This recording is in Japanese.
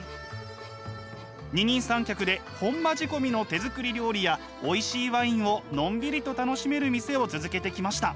二人三脚で本場仕込みの手作り料理やおいしいワインをのんびりと楽しめる店を続けてきました。